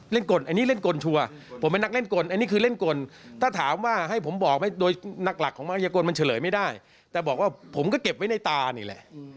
กลอันนี้เล่นกลชัวร์ผมเป็นนักเล่นกลอันนี้คือเล่นกลถ้าถามว่าให้ผมบอกโดยนักหลักของมัยกลมันเฉลยไม่ได้แต่บอกว่าผมก็เก็บไว้ในตานี่แหละ